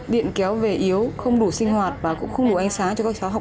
điện kéo về yếu không đủ sinh hoạt và cũng không đủ ánh sáng